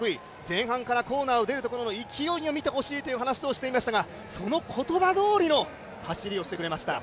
前半からコーナーを出るところの勢いを見てほしいという話をしていましたがその言葉どおりの走りをしてくれました。